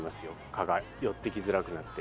蚊が寄ってきづらくなって。